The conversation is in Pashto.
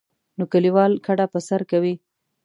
نو کلیوال کډه په سر کوي.